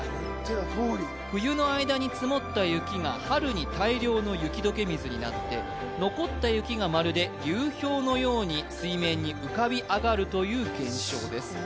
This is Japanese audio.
言ってたとおり冬の間に積もった雪が春に大量の雪解け水になって残った雪がまるで流氷のように水面に浮かび上がるという現象です